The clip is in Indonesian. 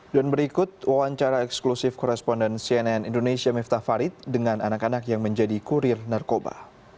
dan berikut wawancara eksklusif koresponden cnn indonesia miftah farid dengan anak anak yang menjadi kurir narkoba